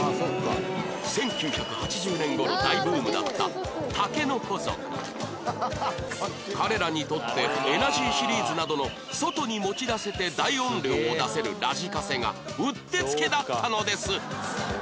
１９８０年頃大ブームだった彼らにとってエナジーシリーズなどの外に持ち出せて大音量を出せるラジカセがうってつけだったのです